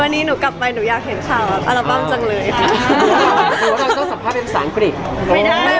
วันนี้หนูกลับไปหนูอยากเห็นข่าวอาละปั้นจังเลย